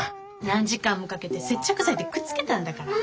何時間もかけて接着剤でくっつけたんだから。